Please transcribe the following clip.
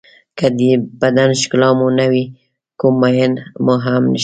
که د بدن ښکلا مو نه وي کوم مېن مو هم نشته.